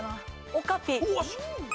オカピ。